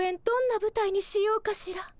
どんな舞台にしようかしら。